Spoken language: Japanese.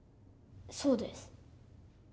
そうです。